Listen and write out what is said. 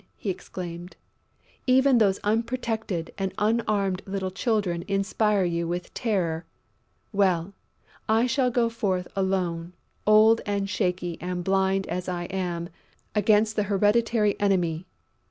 he exclaimed. "Even those unprotected and unarmed little Children inspire you with terror!... Well, I shall go forth alone, old and shaky and blind as I am, against the hereditary enemy!...